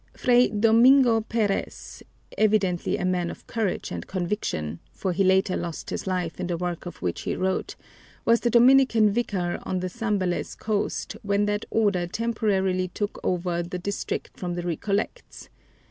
Fray Domingo Perez, evidently a man of courage and conviction, for he later lost his life in the work of which he wrote, was the Dominican vicar on the Zambales coast when that Order temporarily took over the district from the Recollects.